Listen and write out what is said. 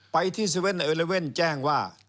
ไปที่๗๑๑แจ้งว่า